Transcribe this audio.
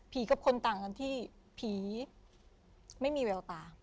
กับคนต่างกันที่ผีไม่มีแววตา